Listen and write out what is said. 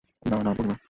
না, না, পূর্ণিমা।